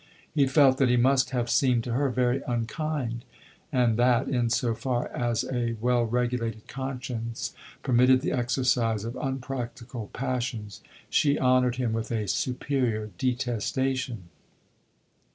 He felt that he must have seemed to her very unkind, and that in so far as a well regulated conscience permitted the exercise of unpractical passions, she honored him with a superior detestation.